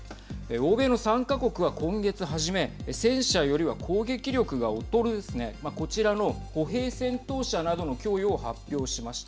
欧米の３か国は今月初め戦車よりは攻撃力が劣るですねこちらの歩兵戦闘車などの供与を発表しました。